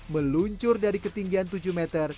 meluncur dari ketinggian tujuh meter